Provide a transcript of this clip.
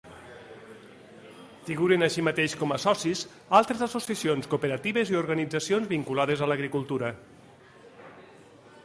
Figuren, així mateix, com a socis, altres associacions, cooperatives i organitzacions vinculades a l’agricultura.